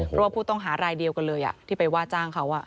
เพราะว่าผู้ต้องหารายเดียวกันเลยที่ไปว่าจ้างเขา